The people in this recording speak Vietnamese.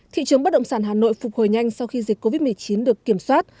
thị trường bất động sản hà nội phục hồi nhanh sau khi dịch covid một mươi chín được kiểm soát